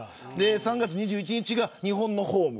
３月２１日が日本のホーム。